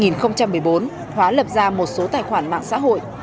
năm hai nghìn một mươi bốn hóa lập ra một số tài khoản mạng xã hội